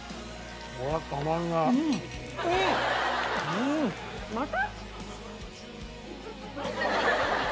うん！また？